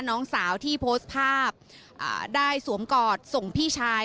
น้องสาวที่โพสต์ภาพได้สวมกอดส่งพี่ชาย